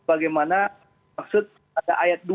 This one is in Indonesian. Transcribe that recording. bagaimana maksud pada ayat dua